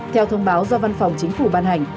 theo thông báo do văn phòng chính phủ ban hành